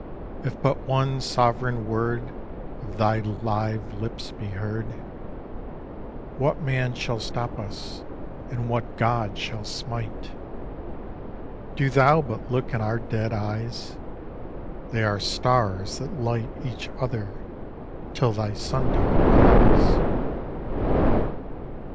If but one sovereign word Of thy live lips be heard, What man shall stop us, and what God shall smite? Do thou but look in our dead eyes, They are stars that light each other till thy sundawn rise.